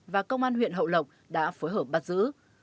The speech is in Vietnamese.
và công an huyện hậu lộc đã phối hợp bắt giữ